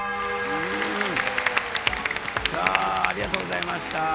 さあありがとうございました。